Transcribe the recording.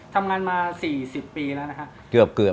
ทำงานมา๔๐ปีแล้วนะครับเกือบ